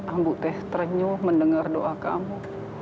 ambu teh terenyuh mendengar doa kamu